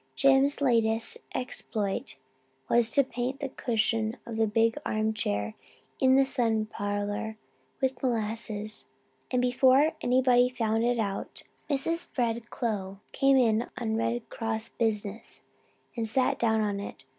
Jims's latest exploit was to paint the cushion of the big arm chair in the sun parlour with molasses; and before anybody found it out Mrs. Fred Clow came in on Red Cross business and sat down on it.